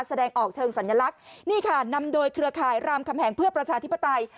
แสดงออกเชิงสัญลักษณ์นี่ค่ะนำโดยเครือข่ายรามคำแหงเพื่อประชาธิปไตย